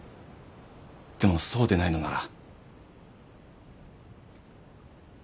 でもそうでないのなら。